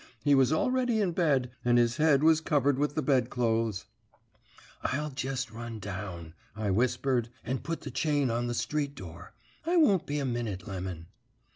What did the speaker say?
He was already in bed, and his head was covered with the bedclothes. "'I'll jest run down,' I whispered, 'and put up the chain on the street door. I won't be a minute. Lemon.'